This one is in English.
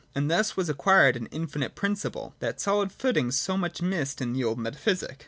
And thus was acquired an infi, nite principle,— that solid footing so much missed in the old jmetaphysic.